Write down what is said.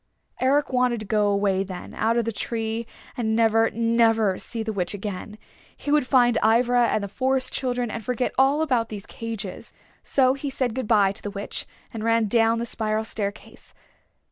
Eric wanted to go away then, out of the tree, and never, never see the Witch again. He would find Ivra and the Forest Children and forget all about these cages. So he said good by to the Witch and ran down the spiral staircase.